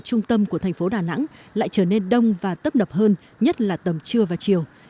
trung tâm của thành phố đà nẵng lại trở nên đông và tấp nập hơn nhất là tầm trưa và chiều